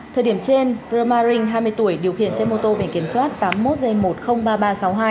thời điểm trên romarin hai mươi tuổi điều khiển xe mô tô bình kiểm soát tám mươi một một nghìn ba mươi ba sáu mươi hai